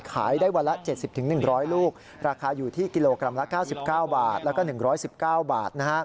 ขายได้วันละ๗๐๑๐๐ลูกราคาอยู่ที่กิโลกรัมละ๙๙บาทแล้วก็๑๑๙บาท